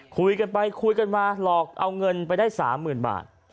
คุยกันไปคุยกันมาหลอกเอาเงินไปได้๓๐๐๐บาท